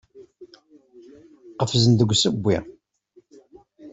Qefzen deg usewwi.